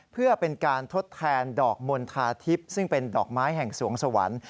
เพื่อเป็นการทดแทนดอกมณฑาทิพย์ซึ่งเป็นดอกไม้แห่งสวงสวรรค์